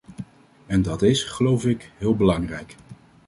En dat is, geloof ik, heel belangrijk.